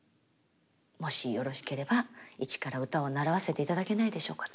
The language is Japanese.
もしよろしければ一から歌を習わせていただけないでしょうかと。